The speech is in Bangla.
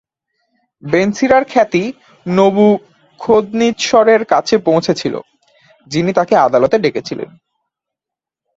বেন সিরার খ্যাতি নবূখদ্নিৎসরের কাছে পৌঁছেছিল, যিনি তাকে তার আদালতে ডেকেছিলেন।